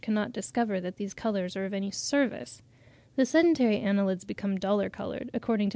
1873, p. 3.) cannot discover that these colours are of any service. The sedentary annelids become duller coloured, according to M.